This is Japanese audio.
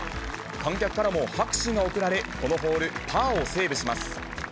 観客からも拍手が送られ、このホール、パーをセーブします。